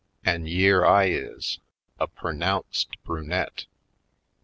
An' yere I is, a pernounced brunette!